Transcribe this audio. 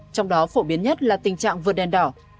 trong đó phổ biến nhất là tình trạng vượt đèn đỏ